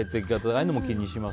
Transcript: ああいうのも気にします？